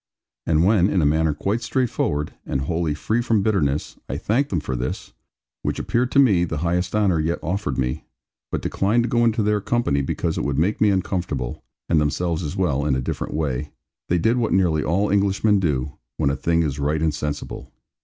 And when, in a manner quite straightforward, and wholly free from bitterness, I thanked them for this (which appeared to me the highest honour yet offered me), but declined to go into their company because it would make me uncomfortable, and themselves as well, in a different way, they did what nearly all Englishmen do, when a thing is right and sensible.